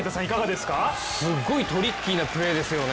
すごいトリッキーなプレーですよね